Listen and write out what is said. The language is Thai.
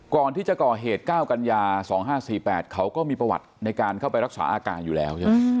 ก่อนที่จะก่อเหตุ๙กันยา๒๕๔๘เขาก็มีประวัติในการเข้าไปรักษาอาการอยู่แล้วใช่ไหม